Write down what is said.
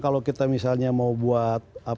kalau kita misalnya mau buat